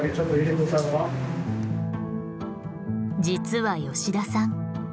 実は吉田さん